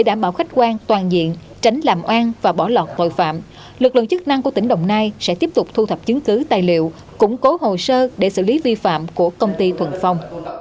đảm bảo khách quan toàn diện tránh làm oan và bỏ lọt tội phạm lực lượng chức năng của tỉnh đồng nai sẽ tiếp tục thu thập chứng cứ tài liệu củng cố hồ sơ để xử lý vi phạm của công ty thuận phong